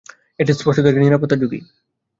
এটি স্পষ্টতই একটি নিরাপত্তা ঝুঁকি।